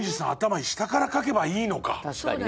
確かにね。